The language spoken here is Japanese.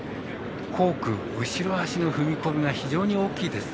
後駆、後ろ脚の踏み込みが非常に大きいです。